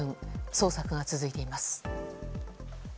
捜索が続いています。